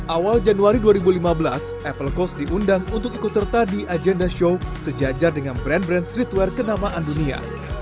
awal januari dua ribu lima belas apple coast diundang untuk ikut serta di agenda show sejajar dengan brand brand streetwear kenamaan dunia